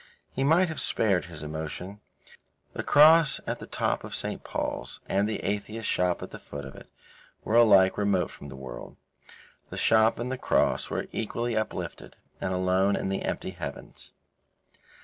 He might have spared his emotion. The cross at the top of St. Paul's and The Atheist shop at the foot of it were alike remote from the world. The shop and the Cross were equally uplifted and alone in the empty heavens.